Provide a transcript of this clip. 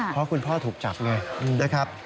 เพราะคุณพ่อถูกจับไงนะครับ